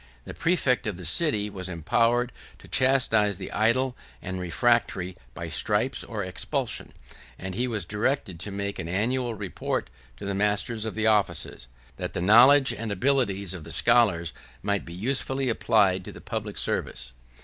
The præfect of the city was empowered to chastise the idle and refractory by stripes or expulsion; and he was directed to make an annual report to the master of the offices, that the knowledge and abilities of the scholars might be usefully applied to the public service.